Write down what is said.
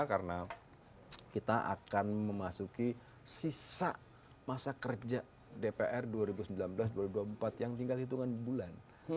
karena kita akan memasuki sisa masa kerja dpr dua ribu sembilan belas dua ribu dua puluh empat yang tinggal hitungan bulan